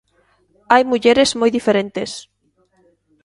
Hai mulleres moi diferentes.